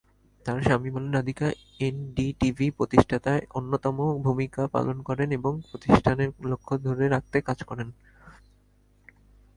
তার স্বামী বলেন, "রাধিকা এনডিটিভি প্রতিষ্ঠায় অন্যতম ভূমিকা পালন করেন এবং প্রতিষ্ঠানের লক্ষ্য ধরে রাখতে কাজ করেন।"